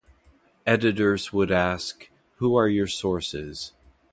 Editors would ask: who are your sources?